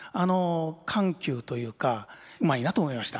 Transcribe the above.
緩急というかうまいなと思いました。